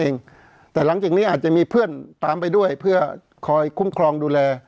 เองแต่หลังจากนี้อาจจะมีเพื่อนตามไปด้วยเพื่อคอยคุ้มครองดูแล